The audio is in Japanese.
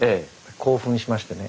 興奮しましてね